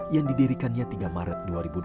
yang didirikannya tiga maret dua ribu dua puluh